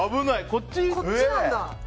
こっちなんだ。